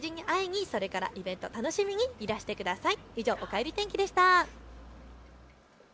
ぜひラッカ星人に会いにそれからイベントを楽しみにいらしてください。